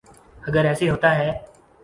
اگر ایسے ہوتا ہے۔